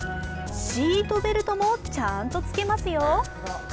シートベルトもちゃんとつけますよ。